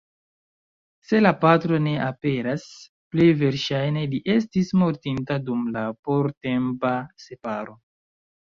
Se la patro ne aperas, plej verŝajne li estis mortinta dum la portempa separo.